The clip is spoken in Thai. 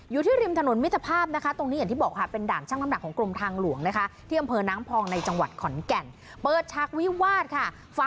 อยู่ที่ริมถนนมิตรภาพนะคะตรงนี้อย่างที่บอกค่ะ